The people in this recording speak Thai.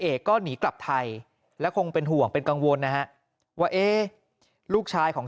เอกก็หนีกลับไทยและคงเป็นห่วงเป็นกังวลนะฮะว่าเอ๊ะลูกชายของ